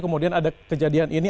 kemudian ada kejadian ini